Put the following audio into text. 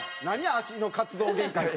「足の活動限界」って。